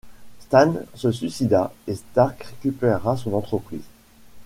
Stane se suicida et Stark récupéra son entreprise.